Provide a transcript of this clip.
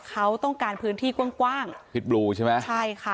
เขาต้องการพื้นที่กว้างกว้างพิษบลูใช่ไหมใช่ค่ะ